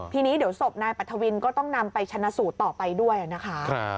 ทีนี้เดี๋ยวศพนายปัทวินก็ต้องนำไปชนะสูตรต่อไปด้วยนะคะ